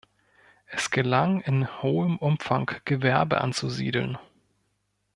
Es gelang in hohem Umfang Gewerbe anzusiedeln.